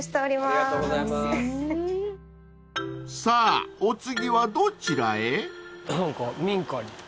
［さぁお次はどちらへ？］